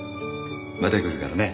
また来るからね。